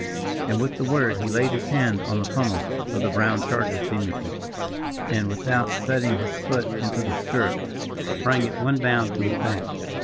And with the word, he laid his hand on the pummel of the brown charger's demipique, and, without setting his foot into the stirrup, sprang at one bound to his back.